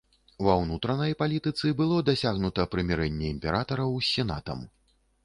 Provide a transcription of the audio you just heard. Ва ўнутранай палітыцы было дасягнута прымірэнне імператараў з сенатам.